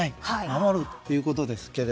守るということですが。